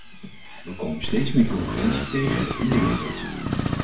We komen steeds meer concurrentie tegen in de wereld.